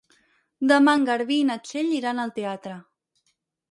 Demà en Garbí i na Txell iran al teatre.